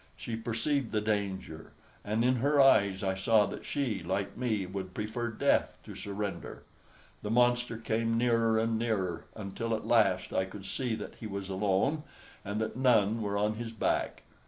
She perceived the danger, and in her eyes I saw that she, like me, would prefer death to surrender. The monster came nearer and nearer, until at last I could see that he was alone, and that none were on his back.